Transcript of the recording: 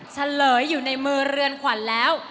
เฉลยอยู่ในมือเรือนขวัญแล้ว